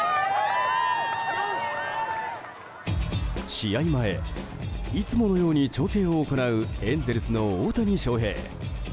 試合前いつものように調整を行うエンゼルスの大谷翔平。